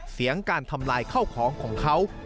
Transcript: เสียงการทำลายข้าวของของเขา